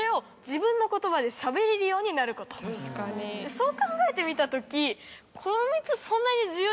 そう考えてみた時。